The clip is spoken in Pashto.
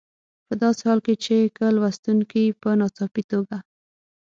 په داسې حال کې چې که لوستونکي په ناڅاپي توګه.